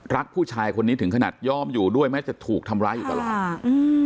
รักผู้ชายคนนี้ถึงขนาดยอมอยู่ด้วยแม้จะถูกทำร้ายอยู่ตลอดอ่าอืม